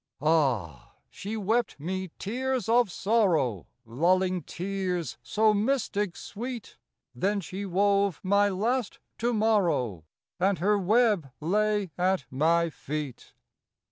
Ah! she wept me tears of sorrow, Lulling tears so mystic sweet; Then she wove my last to morrow, And her web lay at my feet.